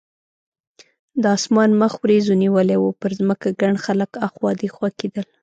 د اسمان مخ وریځو نیولی و، پر ځمکه ګڼ خلک اخوا دیخوا کېدل.